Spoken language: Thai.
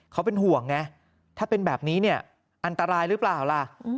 เขาเป็นห่วงไงถ้าเป็นแบบนี้เนี่ยอันตรายหรือเปล่าล่ะ